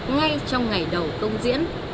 ngay trong ngày đầu công diễn